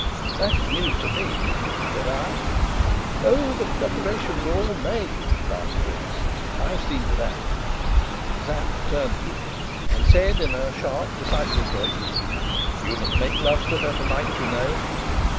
"That is news to me," said I. "Oh, the preparations are all made!" laughed Fritz. "I've seen to that." Sapt turned to me and said, in a sharp, decisive voice: "You must make love to her tonight, you know."